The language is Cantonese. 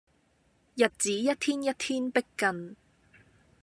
日子一天一天迫近